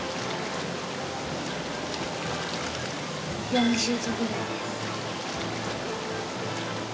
４０度ぐらいです。